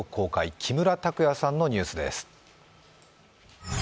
木村拓哉さんのニュースです。